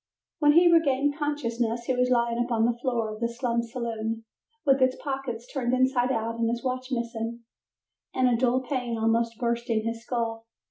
When he regained consciousness he was lying upon the floor of the slum saloon, with his pockets turned inside out and his watch missing, and a dull pain almost bursting his skull.